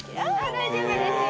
大丈夫ですよ